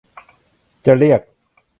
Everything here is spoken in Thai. จะเรียก